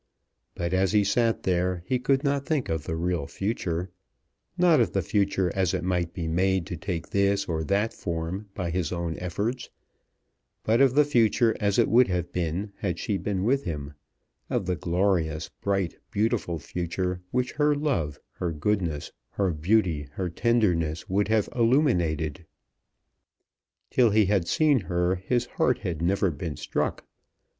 But as he sat there, he could not think of the real future, not of the future as it might be made to take this or that form by his own efforts; but of the future as it would have been had she been with him, of the glorious, bright, beautiful future which her love, her goodness, her beauty, her tenderness would have illuminated. Till he had seen her his heart had never been struck.